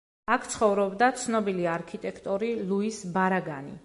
აქ ცხოვრობდა ცნობილი არქიტექტორი ლუის ბარაგანი.